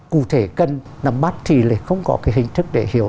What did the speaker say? cụ thể cần nắm bắt thì lại không có cái hình thức để hiểu